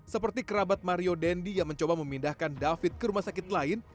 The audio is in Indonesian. seperti kerabat mario dendi yang mencoba memindahkan david ke rumah sakit lain